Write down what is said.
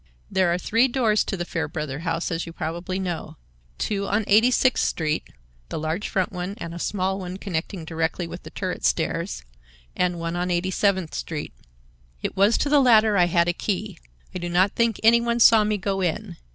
There are three doors to the Fairbrother house, as you probably know. Two on Eighty sixth Street (the large front one and a small one connecting directly with the turret stairs), and one on Eighty seventh Street. It was to the latter I had a key. I do not think any one saw me go in.